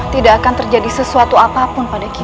tidak akan terjadi sesuatu apapun pada kita